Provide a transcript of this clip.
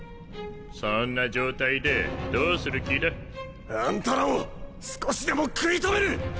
そんな状態でどうする気だ？あんたらを少しでも食い止める！